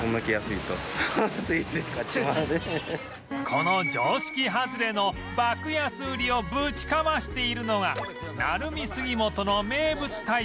この常識外れの爆安売りをぶちかましているのがナルミ杉本の名物大将杉本貞夫社長